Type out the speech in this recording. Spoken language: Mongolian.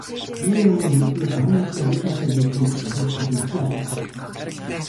Юуны өмнө, нэгдүгээрт, орон нутгийн бие даасан байдлыг бэхжүүлэхэд өмчийн асуудал их чухал байна.